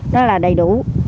nó là đầy đủ